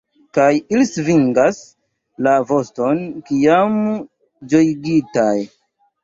Kaj ili svingas la voston, kiam ĝojigitaj.